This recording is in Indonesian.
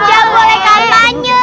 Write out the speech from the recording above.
udah boleh kampanye